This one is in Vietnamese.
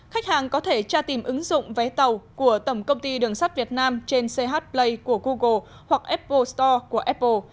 khách hàng có thể tra tìm ứng dụng vé tàu của tổng công ty đường sắt việt nam trên ch play của google hoặc apple store của apple